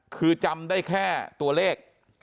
คือจำได้แค่ตัวเลข